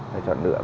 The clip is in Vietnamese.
phải chọn lựa chứ